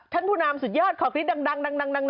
ธนภูนามสุดยอดของศรีดดัง